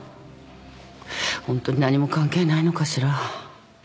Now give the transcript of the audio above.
ホントに何も関係ないのかしら？